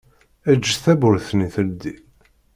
Eǧǧ tawwurt-nni teldi.